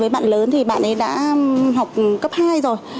với bạn lớn thì bạn ấy đã học cấp hai rồi